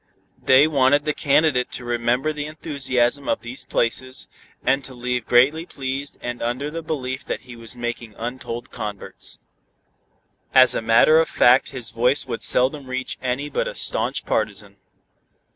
They wanted the candidate to remember the enthusiasm of these places, and to leave greatly pleased and under the belief that he was making untold converts. As a matter of fact his voice would seldom reach any but a staunch partisan.